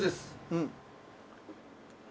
うん。